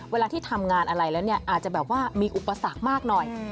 เวลาที่ทำงานอะไรแล้วเนี่ยอาจจะแบบว่ามีอุปสรรคมากหน่อย